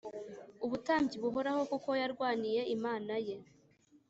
ubutambyi buhoraho kuko yarwaniye Imana ye